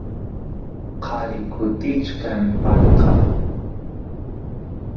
qari kutichkan palqa